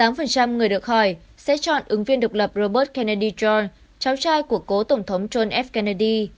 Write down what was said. năm người được hỏi sẽ chọn ứng viên độc lập robert kennedy george cháu trai của cố tổng thống john f kennedy